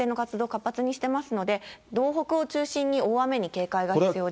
活発にしていますので、道北を中心に、大雨に警戒が必要です。